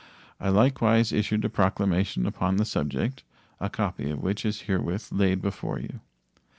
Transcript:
I likewise issued a proclamation upon the subject, a copy of which is herewith laid before you.